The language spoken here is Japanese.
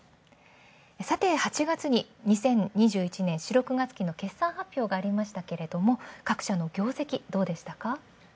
さて、８月に２０２１年、４−６月期の決算発表がありましたが、各社の業績、どうでしたか？